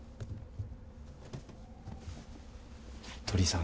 鳥居さん